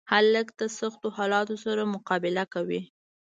هلک د سختو حالاتو سره مقابله کوي.